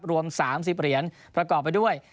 รวม๓๐เหรียญประกอบไปด้วย